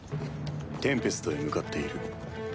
テンペストへ向かっている。